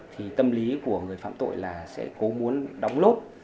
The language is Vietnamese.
thì tâm lý của người phạm tội là sẽ cố muốn đóng lốt